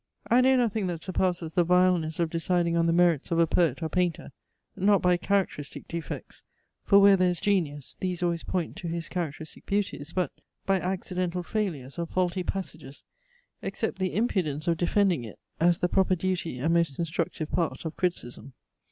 I know nothing that surpasses the vileness of deciding on the merits of a poet or painter, (not by characteristic defects; for where there is genius, these always point to his characteristic beauties; but) by accidental failures or faulty passages; except the impudence of defending it, as the proper duty, and most instructive part, of criticism.